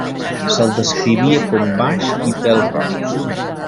Se'l descrivia com baix i pèl-roig.